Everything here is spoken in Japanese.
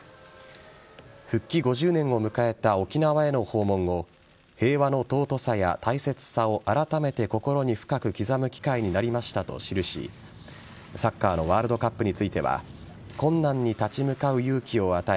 復帰５０年を迎えた沖縄への訪問を平和の尊さや大切さをあらためて心に深く刻む機会になりましたと記しサッカーのワールドカップについては困難に立ち向かう勇気を与え